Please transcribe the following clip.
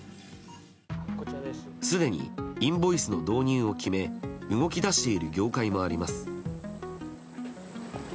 すでにインボイスの導入を決め動き出している業界もあります。